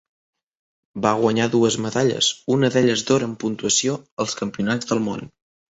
Va guanyar dues medalles, una d'elles d'or en puntuació, als Campionats del Món.